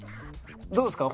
どうですか？